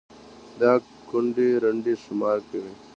دا كونـډې رنـډې شمار كړئ